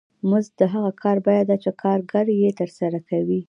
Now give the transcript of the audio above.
مزد د هغه کار بیه ده چې کارګر یې ترسره کوي